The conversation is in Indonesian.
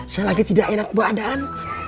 saya lagi tidak enak badan